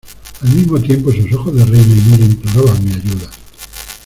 al mismo tiempo sus ojos de reina india imploraban mi ayuda: